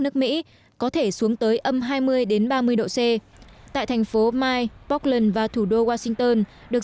nước mỹ có thể xuống tới âm hai mươi ba mươi độ c tại thành phố mike pokland và thủ đô washington được